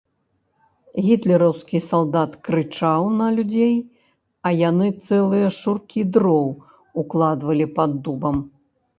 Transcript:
Гітлераўскі салдат крычаў на людзей, а яны цэлыя шуркі дроў укладвалі пад дубам.